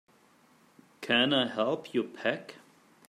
Can I help you pack?